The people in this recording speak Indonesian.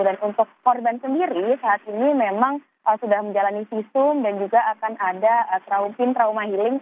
dan untuk korban sendiri saat ini memang sudah menjalani sistem dan juga akan ada trauma healing